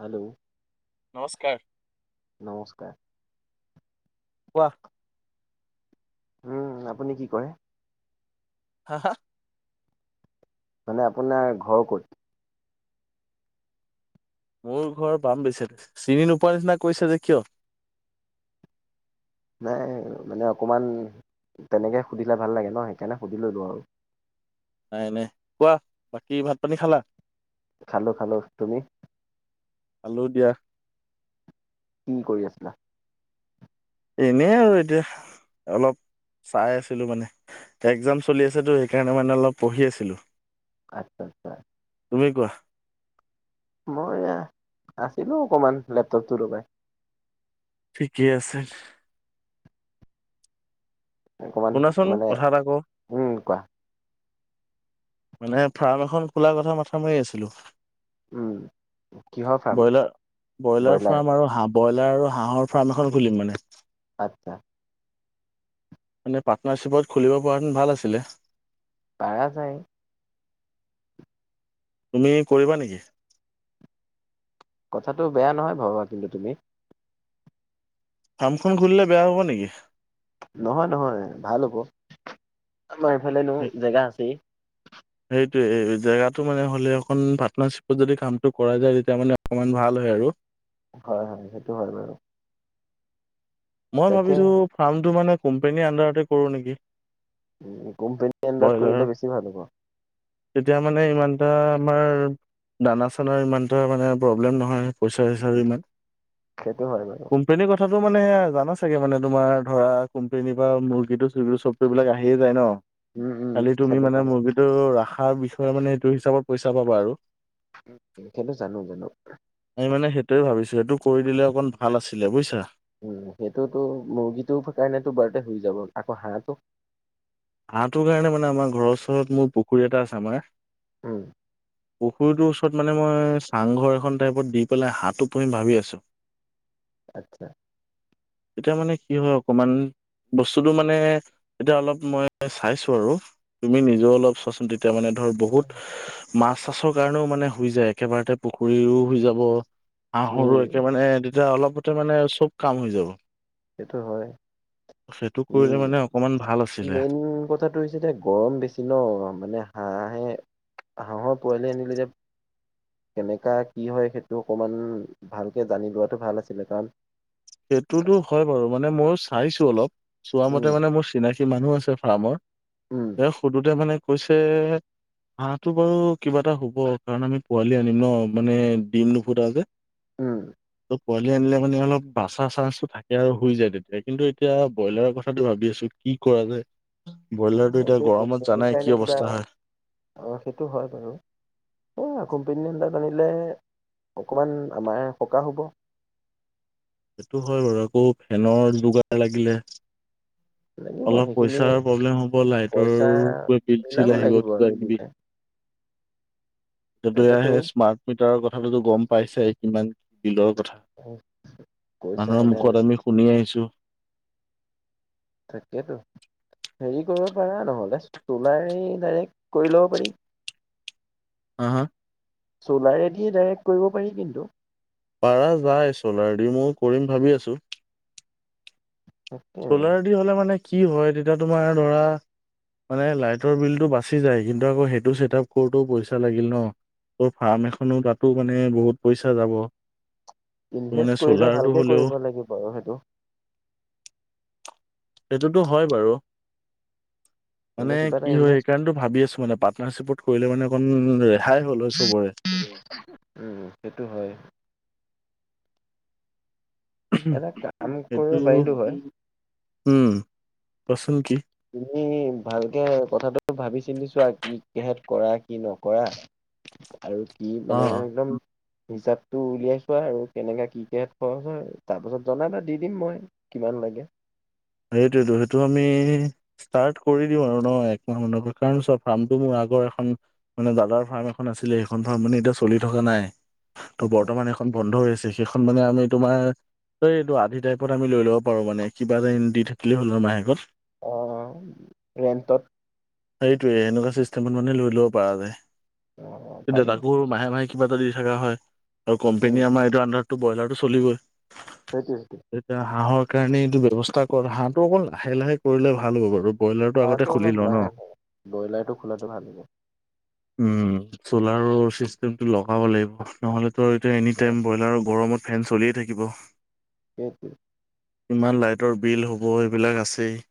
Hello, নমস্কাৰ। [inaudible] নমস্কাৰ। কোৱা উম, আপুনি কি কৰে? হা- হা মানে আপোনাৰ ঘৰ ক'ত? মোৰ ঘৰ বাম বেছেত চিনি নোপোৱাৰ নিচিনা কৈছা যে কিয়? নাই মানে অকমান তেনেকে সুধিলে ভাল ন'সেইকাৰণে সুধি ললো আৰু। নাই -নাই কোৱা বাকী ভাত পানী খালা? খালো- খালো তুমি? খালোঁ দিয়া। কি কৰি আছিলা? এনেই আৰু এতিয়া অলপ চাই আছিলো মানে একজাম চলি আছেতো সেইকাৰণে মানে অলপ পঢ়ি আছিলো। আচ্ছা -আচ্ছা। তুমি কোৱা? মই আছিলোঁ অকণমান লেপটপটো লগাই। ঠিকেই আছে। অকমান শুনাচোন মানে কথা এটা কওঁ [inaudible] উম কোৱা? মানে ফাৰ্ম এখন খোলাৰ কথা মাথা মাৰি আছিলো। উম কিহৰ ফাৰ্ম ব্ৰ‌ইলাৰ-ব্ৰ‌ইলাৰ ব্ৰইলাৰ ফাৰ্ম আৰু হাব ব্ৰইলাৰ আৰু হাঁহৰ ফাৰ্ম এখন খুলিম মানে। আতছা। মানে পাৰ্টনাৰশ্বিপত খুলিব পৰা হেঁতেন ভাল আছিলে। পাৰা যায়। তুমি কৰিবা নেকি? কথাটো বেয়া নহয় ভবা কিন্তু তুমি ফাৰ্মখন খুলিলে বেয়া হব নেকি? নহয়-নহয় ভাল হ'ব। এইফালেনো জেগা আছেই। [unintelligible] জেগাটো মানে হ'লে এইটোৱে জেগাটো মানে হলেএখন পাৰ্টনাৰশ্বিপত যদি কামটো কৰা যায় তেতিয়া মানে অকমান ভাল হয় আৰু। হয়-হয় সেইটো হয় বাৰু। মই তাকে ভাবিছো ফাৰ্মটো মানে কোম্পানীৰ আন্দাৰতে কৰো নেকি। কোম্পেনী আন্দাৰত ব্ৰইলাৰ কৰিলে বেছি ভাল হ'ব। তেতিয়া মানে ইমান এটা আমাৰ দানা-চানাৰ ইমান এটা মানে প্ৰব্লেম নহয় পইচা-চ‌ইছাৰো ইমান। সেইটো হয় বাৰু। কোম্পেনীৰ কথাটো মানে এ এল জানা চাগে মানে তোমাৰ ধৰা কোম্পানীৰ পৰা মুৰ্গীটো-চুৰ্গীটো চবটো এইবিলাক আহিয়েই যায় ন ' উম উম খালি তুমি খেলো মানে জানো মুৰ্গীটো ৰাখাৰ বিষয়ে মানে সেইটো হিচাপত পইচা পাবা আৰু। সেইটো জানো-জানো। আমি মানে সেইটোৱেই ভাবিছো এইটো কৰি দিলে অকন ভাল আছিলে বুজিছা। উম, সেইটোতো মুৰ্গীটোৰ কাৰণেতো কিবা এক হৈ যাব আকৌ হাঁহটো হাঁহটোৰ কাৰণে মানে আমাৰ ঘৰৰ ওচৰত মোৰ পুখুৰী এটা আছে আমাৰ উম পুখুৰীটোৰ ওচৰত মানে মই চাংঘৰ এখন টাইপত দি পেলাই হাতটো পুহিম ভাবি আছো। আচ্ছা। এতিয়া মানে কি হয় অকনমান বস্তুটো মানে এতিয়া অলপ মই চাইছো আৰু তুমি নিজেও অলপ চোৱাচোন তেতিয়া মানে ধৰ বহুত মাছ-চাছৰ কাৰণেও মানে হৈ যায় একেবাৰতে পুখুৰীয়ো হৈ যাব হাঁহ উম সৰু একে মানে তেতিয়া অলপতে মানে চব কাম হৈ যাব। সেইটো হয়। সেইটো কৰিলে উম মানে অকমান ভাল আছিলে মেইন কথাটো হৈছে যে গৰম বেছি ন' মানে হাঁহে হাঁহয় পোৱালি আনিলে যে কেনেকা কি হয় সেইটো অকমান ভালকে জানি লোৱাটো ভাল আছিলে কাৰণ সেইটোতো হয় বাৰু মানে ময়ো চাইছো অলপ চোৱা উম মতে মানে মোৰ চিনাকি মানুহ আছে।, ফামত উম ইয়াক সুধোতে মানে কৈছে হাঁহটো বাৰু কিবা এটা হ'ব কাৰণ আমি পোৱালি আনিম ন মানে ডিম নুফুটাও যে উম ত পোৱালি আনিলে মানে অলপ বাচা চাঞ্চটো থাকে আৰু হৈ যায় তেতিয়া কিন্তু এতিয়া ব্ৰইলাৰৰ কথাটো ভাবি আছো কি কৰা যায় ব্ৰইলাৰটো এতিয়া এইটোৰ গৰমত [unintelligible] জানাই কি কাৰণে কিবা অৱস্থা হয় অহ সেইটো হয় বাৰু এইয়া কম্পেনীবিলাক আনিলে অকমান আমাৰে সকাহ হ'ব। সেইটো হয় বাৰু আকৌ ফেনৰ যোগাৰ লাগিলে লাগিব অলপ সেইখিনি পইচাৰ প্ৰব্লেম হব পইচা লাইটৰ মিলাব বিল-চিল আহিব লাগিব আৰু কিবাকিবি [inaudible] এতিয়াতো তাকেতো সেই স্মাৰ্ট মিটাৰৰ কথাটোতো গম পাইছাই কিমান বিলত [unintelligible] মানুহৰ নে আৰু মুখত আমি শুনি আহিছো তাকেতো হেৰি কৰিব পাৰা নহ'লে চলাৰে ডাইৰেক্ট কৰি ল'ব পাৰি। হ হা চ'লাৰেদিয়ে ডাইৰেক্ট কৰিব পাৰি কিন্তু। পাৰা যায় চলাৰ দি মইও কৰিম ভাবি আছো। তাকে চলাৰদি হ'লে মানে কি হয় তেতিয়া তোমাৰ ধৰা মানে লাইটৰ বিলটো বাচি যায়। কিন্তু আকৌ সেইটো চেটআপ কৰোঁতেও পইচা লাগিল ন', ত ফাৰ্ম এখনো তাতো মানে বহুত পইচা যাব। মানে ইনভেষ্ট কৰিলে চ'লাৰটো ভালকে হ'লেও কৰিব লাগিব আৰু সেইটো এইটোতো হয় বাৰু। এনে মানে কিবা এটা কি হয় ইনভেষ্ট এইকাৰণটো ভাবি আছো মানে পাৰ্টনাৰশ্বিপত কৰিলে মানে অকণ ৰে হাই হ'ল হয় চবৰে। উম, সেইটো হয় এটা কাম কৰিব সেইটো পাৰিলো হয়। উম কোৱাচোন কি? তুমি ভালকে কথাটো ভাবি চিন্তি চোৱা কি কেহত কৰা কি নকৰা আৰু কি মানে অ একদম হিচাপটো উলিয়াই চোৱা আৰু কেনেকা কি কেচ খৰচ হয় তাৰপিছত জনাবা দি দিম মই কিমান [unintelligible] লাগে। সেইটোয়েতো সেইটো আমি ষ্টাৰ্ট কৰি দিও আৰু ন' একমাহ মানৰ কাৰণ চোৱা ফাৰ্মটো মোৰ আগৰ এখন মানে দাদাৰ ফাৰ্ম এখন আছিলেই সেইখন ফাৰ্ম মানে এতিয়া চলি থকা নাই। ত' আচ্ছা। বৰ্তমান এইখন বন্ধ হৈ আছে সেইখন মানে আমি তোমাৰ এই এইটো আধি টাইপত আমি লৈ ল'ব পাৰো মানে কিবা এ দি থাকিলে হ'ল আও মাহেকত। ৰেণ্টত। সেইটোয়ে সেনেকুৱা চিষ্টেমত মানে লৈ ল'ব পৰা যায়। অ তেতিয়া পাৰি তাকো মাহে মাহে কিবা এটা দি থাকা হয় আৰু কোম্পেনী উম আমাৰ এইটো আণ্ডাৰটো ব্ৰইলাৰটো চলিবৈ। সেইটোৱে সেইটোৱে এতিয়া হাঁহৰ কাৰণে এইটো ব্যৱস্থা হাঁহটো অকল লাহে লাহে কৰিলে ভাল হ'ব বাৰু। ব্ৰইলাৰটো আগতে হাঁহটো খুলি অলপ লওঁ ন লাহে লাহ ব্ৰইলাৰটো খোলাটো ভাল হ'ব। উম, চলাৰৰ চিষ্টেমটো লগাব লাগিব নহ'লে ত' এতিয়া এনি টাইম ব্ৰইলাৰৰ গৰমত ফেন চলিয়ে থাকিব। সেইটোৱে। ইমান লাইটৰ বিল হ'ব এইবিলাক আছেই।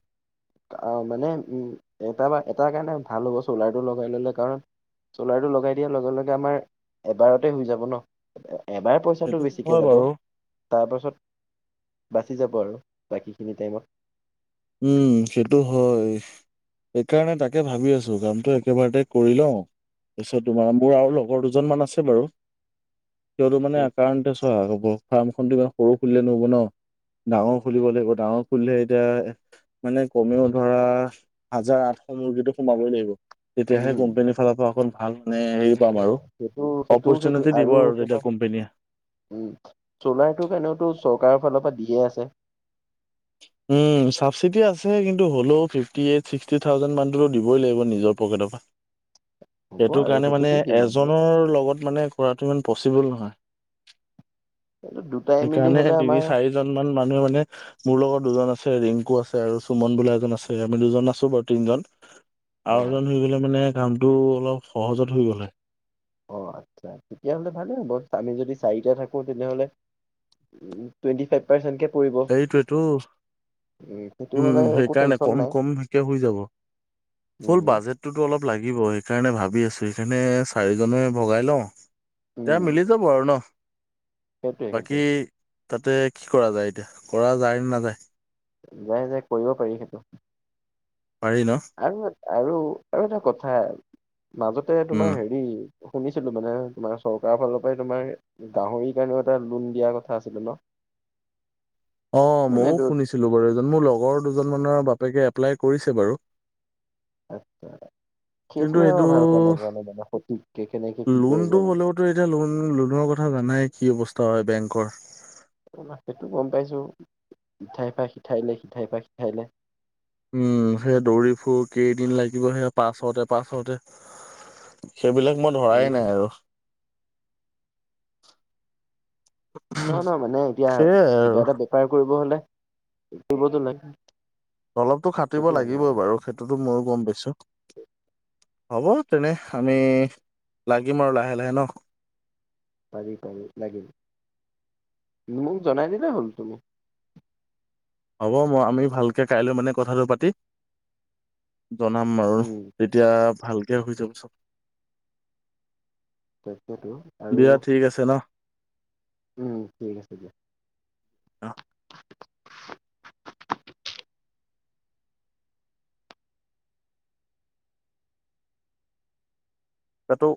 আহ মানে উম এটা বা এটাৰ কাৰণে ভাল হ'ব চলাৰটো লগাই ল'লে কাৰণ চলাৰটো লগাই দিয়াৰ লগে লগে আমাৰ এবাৰতে হৈ যাব ন। এবাৰ পইচাটো সেইটোতো হয় বেছিকৈ যাব বাৰু তাৰপাছত বাচি যাব আৰু বাকীখিনি টাইমত। উম, সেইটো হয়। সেইকাৰণে তাকে ভাবি আছো কামটো একেবাৰতে কৰি লওঁ তাৰপিছত তোমাৰ মোৰ আৰু লগৰ দুজন মান আছে বাৰু। [unintelligible] কিয়নো মানে অকাৰণতে চোৱা হ'ব ফাৰ্মখনটো ইমান সৰু খুলিলে নহ'ব ন ডাঙৰ খুলিব লাগিব ডাঙৰ খুলিলে এতিয়া মানে কমেও ধৰা হাজাৰ আঠশ মুৰ্গীটো সোমাবই লাগিব। তেতিয়াহে উম কোম্পানীৰ ফালৰ পৰা অকণ ভাল মানে হেৰি পাম আৰু সেইটো সেইটো সেইটো অপৰচ্যুনেটি দিব আৰু তোমাৰ তেতিয়া কোম্পনীয়ে। উম, চলাৰটো কাৰনেওতো চৰকাৰৰ ফালৰ পৰা দিয়ে আছে। উম ছাবচিটি আছে কিন্তু হ'লেও ফিফটি এইট ছিক্সটি থাউজেণ্ড মানটোতো দিবই লাগিব নিজৰ পকেটৰ পৰা। হ'ব সেইটো আৰু কাৰণে মানে দি দিম আৰু এজনৰ লগত মানে কৰাটো ইমান পচিবল নহয়। এইটো দুটাই মিলি সেইকাৰণে হ'লে তিনি আমাৰ চাৰিজন মান মানুহে মানে মোৰ লগত দুজন আছে ৰিংকু আছে আৰু সুমন বোলা এজন আছে আমি দুজন আছো বাৰু তিনজন। অ আও এজন হৈ গলে মানে কামটো অলপ সহজত হৈ গলে হয়। অ আচ্ছা তেতিয়াহ'লে ভালে হ'ব আমি যদি চাৰিটা থাকো তেনেহ'লে টুৱেন্টি ফাইভ পাৰ্চেনকে এইটোৱে টো উম সেইটো উম হ'লে একো সেইকাৰণে টেনচন কম নাই কম সেকে হৈ যাব। হ'ল উম বাজেটটোতো অলপ লাগিব সেইকাৰণে ভাব বি আছো হেকানে চাৰিজনে ভগাই লওঁ উম এয়া মিলি যাব আৰু ন। সেইটোৱে বাকী সেইটোৱে। তাতে কি কৰা যায় এতিয়া কৰা যায় নাযায়? যাই যাই কৰিব পাৰি সেইটো। পাৰি ন? আৰু আৰু আৰু এটা কথা মাজতে তোমাৰ উম হেৰি শুনিছিলো মানে তোমাৰ চৰকাৰৰ ফালৰ পৰাই তোমাৰ গাহৰি কাৰণেও এটা লোন দিয়া কথা আছিলে ন। [unintelligible] অ মানে মও এইটো শুনিছিলো বাৰু এজন মোৰ লগৰ দুজন মানৰ বাপ পেকে এপ্লাই কৰিছে বাৰু। আতছা। কিন্তু এইটো সঠিককে কেনেকে কি কৰিব লোনটো লাগে। হ'লেওতো এতিয়া লোন লোনৰ কথা জানাই কি অৱস্থা হয় বেংকৰ। তাকেইটো গম পাইছো সিঠাইফা পা সিঠাইলে হিঠাই পা হিঠাইলে। উম সেই দৌৰি ফুৰ কেইদিন লাগিব সে পাছতে পাছতে সেইবিলাক মই ধৰাই উম। নাই আৰু নহ নহ মানে এতিয়া সেইয়াই আৰু কিবা এটা বেপাৰ কৰিব হলে কৰিবতো লাগি অলপতো খাটিব লাগিবই বাৰু সেইটোতো ময়ো গম পাইছোঁ। [unintelligible] হ'ব তেনেহ আমি লাগিম আৰু লাহে লাহে ন পাৰি পাৰি লাগিম মোক জনাই দিলে হ'ল তুমি হ'ব মই আমি ভালকে কাইলৈ মানে কথাটো পাতি জনাম আৰু উম তেতিয়া ভালকে হৈ যাব চব তাকেটো আৰু দিয়া ঠিক আছে ন উম ঠিক আছে দিয়া অ [unintelligible] কটো